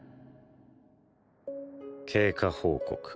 経過報告。